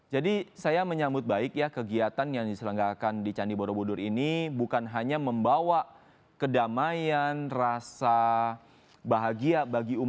jadi saya menyambut baik ya kegiatan yang diselenggarkan di candi borobudur ini bukan hanya membawa kedamaian rasa bahagia bagi umat